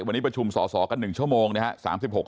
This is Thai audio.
วันนี้ประชุมสอสอกัน๑ชั่วโมงนะครับ